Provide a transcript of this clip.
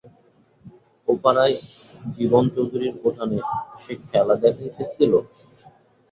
ও-পাড়ায় জীবন চৌধুরীর উঠানে সে খেলা দেখাইতেছিল।